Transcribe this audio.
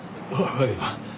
はい。